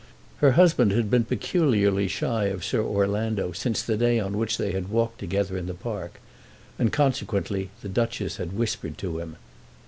Her husband had been peculiarly shy of Sir Orlando since the day on which they had walked together in the park, and, consequently, the Duchess had whispered to him.